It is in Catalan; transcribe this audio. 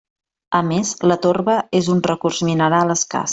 A més, la torba és un recurs mineral escàs.